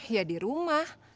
ya di rumah